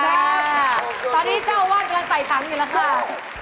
ตอนนี้เจ้าวาดกำลังไต่ถังอยู่แล้วค่ะ